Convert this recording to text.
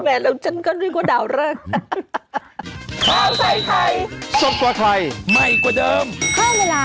แม่แล้วฉันก็ไม่ว่าดาวแรก